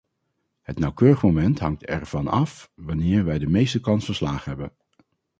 Het nauwkeurige moment hangt ervan af wanneer wij de meeste kans van slagen hebben.